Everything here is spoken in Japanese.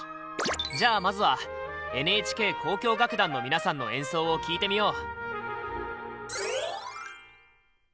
じゃあまずはＮＨＫ交響楽団の皆さんの演奏を聴いてみよう！